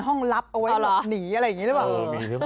ห้องลับเอาไว้หลบหนีอะไรแบบนี้หรือเปล่าอือมีหรือเปล่า